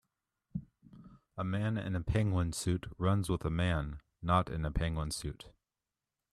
A man in a penguin suit runs with a man, not in a penguin suit.